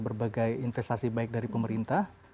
berbagai investasi baik dari pemerintah